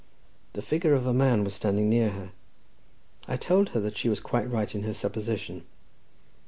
The figure of a man was standing near her. I told her that she was quite right in her supposition.